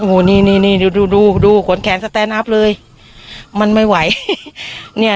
โอ้โหนี่นี่ดูดูดูดูขนแขนสแตนนับเลยมันไม่ไหวเนี่ย